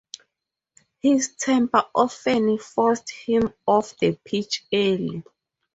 His temper often forced him off the pitch early.